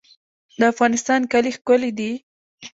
د افغانستان کالي ښکلي دي